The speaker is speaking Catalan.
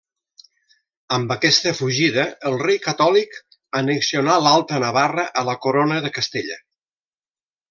Amb aquesta fugida el rei Catòlic annexionà l'Alta Navarra a la Corona de Castella.